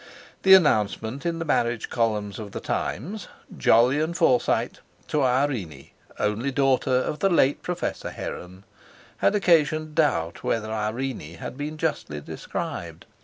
The announcement in the marriage column of The Times, "Jolyon Forsyte to Irene, only daughter of the late Professor Heron," had occasioned doubt whether Irene had been justly described.